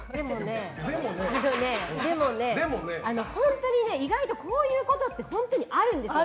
でもね、本当にねこういうことって本当にあるんですよ。